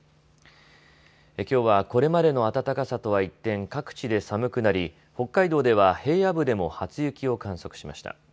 きょうはこれまでの暖かさとは一転、各地で寒くなり北海道では平野部でも初雪を観測しました。